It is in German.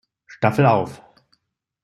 Staffel auf.